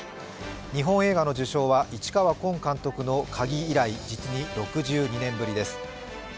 日本映画の市川崑監督の「鍵」以来実に６２年ぶりです。